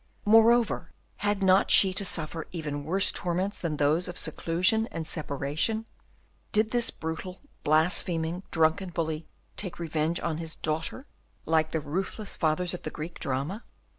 Moreover, had not she to suffer even worse torments than those of seclusion and separation? Did this brutal, blaspheming, drunken bully take revenge on his daughter, like the ruthless fathers of the Greek drama?